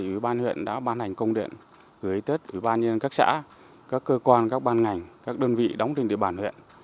ủy ban huyện đã ban hành công điện gửi tết ủy ban nhân các xã các cơ quan các ban ngành các đơn vị đóng trên địa bàn huyện